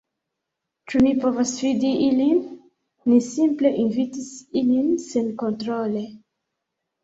Ĉu ni povas fidi ilin? Ni simple invitis ilin senkontrole